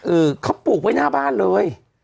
เออเขาปลูกไว้หน้าบ้านเลย